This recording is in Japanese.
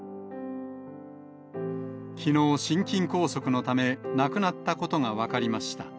きのう、心筋梗塞のため亡くなったことが分かりました。